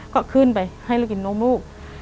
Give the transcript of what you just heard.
ก็ขึ้นไปให้เรากินนมลูก